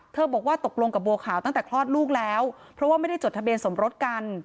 บอกว่าตกลงกับบัวขาวตั้งแต่คลอดลูกแล้วเพราะว่าไม่ได้จดทะเบียนสมรสกัน